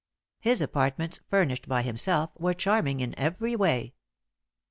His apartments, furnished by himself, were charming in every way.